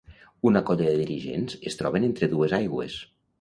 Una colla de dirigents es troben entre dues aigües.